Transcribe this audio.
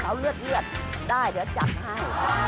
เอาเลือดได้เดี๋ยวจัดให้